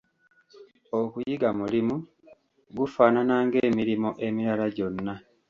Okuyiga mulimo, gufaanana ng'emirimo emirala gyonna.